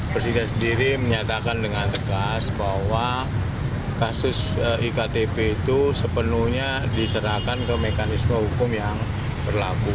presiden sendiri menyatakan dengan tegas bahwa kasus iktp itu sepenuhnya diserahkan ke mekanisme hukum yang berlaku